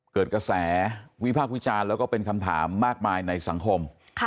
เกิดกระแสวิพากษ์วิจารณ์แล้วก็เป็นคำถามมากมายในสังคม